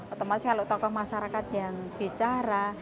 otomatis kalau tokoh masyarakat yang bicara